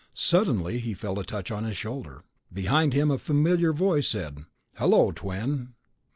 Suddenly he felt a touch on his shoulder. Behind him, a familiar voice said, "Hello, Twin."